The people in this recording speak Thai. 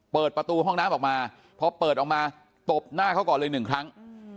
เปิดประตูห้องน้ำออกมาพอเปิดออกมาตบหน้าเขาก่อนเลยหนึ่งครั้ง